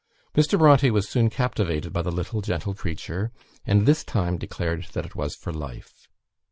Mr. Bronte was soon captivated by the little, gentle creature, and this time declared that it was for life.